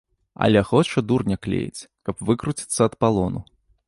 Але хоча дурня клеіць, каб выкруціцца ад палону.